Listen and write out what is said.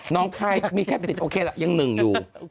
น้องคลายมีแค่ติดโอเคละยัง๑อยู่โอเค